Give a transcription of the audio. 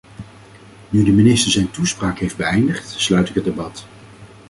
Nu de minister zijn toespraak heeft beëindigd, sluit ik het debat.